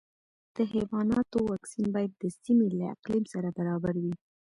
د حیواناتو واکسین باید د سیمې له اقلیم سره برابر وي.